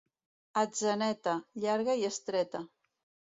Atzeneta, llarga i estreta.